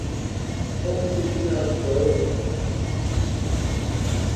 consignação